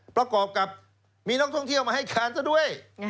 ประกอบกับมีนักท่องเที่ยวมาให้การซะด้วย